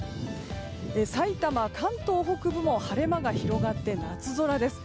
さいたま、関東北部も晴れ間が広がって夏空です。